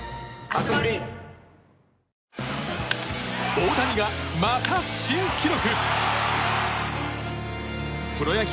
大谷がまた新記録！